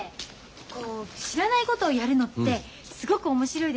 こう知らないことをやるのってすごく面白いです。